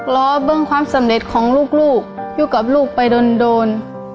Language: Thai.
ล้อเบิ้งความสำเร็จของลูกอยู่กับลูกไปโดน